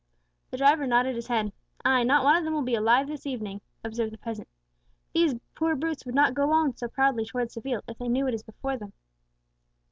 The driver nodded his head. "Ay, not one of them will be alive this evening," observed the peasant. "The poor brutes would not go on so proudly towards Seville if they knew what is before them."